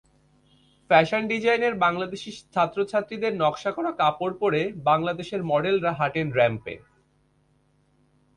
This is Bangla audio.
ফ্যাশন ডিজাইনের বাংলাদেশি ছাত্রছাত্রীদের নকশা করা কাপড় পরে বাংলাদেশের মডেলরা হাঁটেন র্যাম্পে।